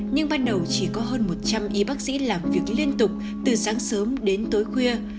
nhưng ban đầu chỉ có hơn một trăm linh y bác sĩ làm việc liên tục từ sáng sớm đến tối khuya